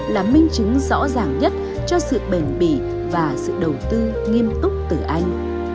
là minh chứng rõ ràng nhất cho sự bền bỉ và sự đầu tư nghiêm túc từ anh